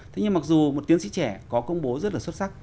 thế nhưng mặc dù một tiến sĩ trẻ có công bố rất là xuất sắc